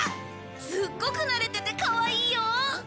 すっごく慣れててかわいいよ。